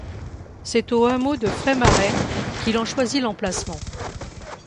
C'est au hameau de Frais-Marais qu'il en choisit l'emplacement.